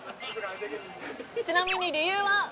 ちなみに理由は？